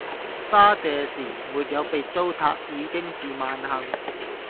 花謝時；沒有被糟蹋已經是萬幸